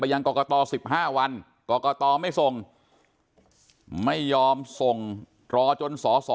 ยังกรกต๑๕วันกรกตไม่ส่งไม่ยอมส่งรอจนสอสอ